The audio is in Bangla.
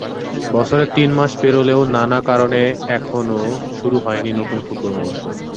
বছরের তিন মাস পেরোলেও নানা কারণে এখনো শুরু হয়নি নতুন ফুটবল মৌসুম।